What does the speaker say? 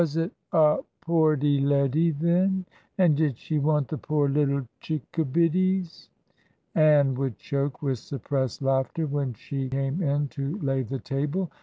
"Was it a poorty leddy, then, and did she want the poor little chickabiddies?" Ann would choke with suppressed laughter when she came in to lay the table.